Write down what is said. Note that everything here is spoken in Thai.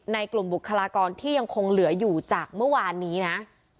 กลุ่มบุคลากรที่ยังคงเหลืออยู่จากเมื่อวานนี้นะ